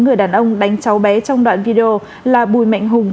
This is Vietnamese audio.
người đàn ông đánh cháu bé trong đoạn video là bùi mạnh hùng